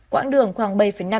quãng đường khoảng một trăm linh mét